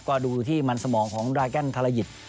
ก็ดูที่มันสมองของรากั้นทาระหยิต